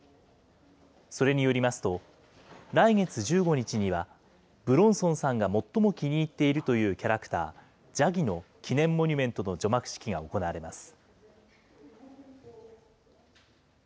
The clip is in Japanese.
それによりますと、来月１５日には、武論尊さんが最も気に入っているというキャラクター、ジャギの記念モニュメントの除幕式が行われます。